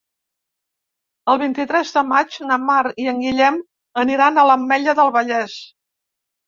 El vint-i-tres de maig na Mar i en Guillem aniran a l'Ametlla del Vallès.